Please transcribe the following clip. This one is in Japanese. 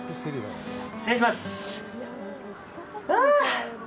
失礼します。